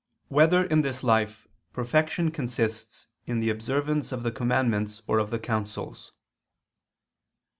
3] Whether, in This Life, Perfection Consists in the Observance of the Commandments or of the Counsels?